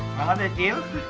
selamat ya cil